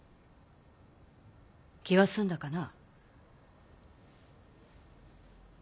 気は済んだかな？